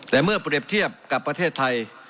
แต่เมื่อเปรียบเทียบกับประเทศไทย